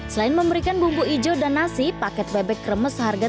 selain memberikan bumbu ijo dan nasi paket bebek kremes seharga rp tiga puluh empat